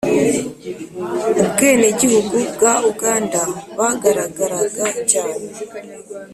ubwenegihugu bwa uganda bagaragaraga cyane